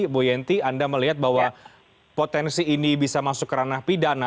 bu yenti anda melihat bahwa potensi ini bisa masuk ke ranah pidana